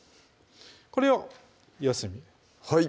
これを四隅はい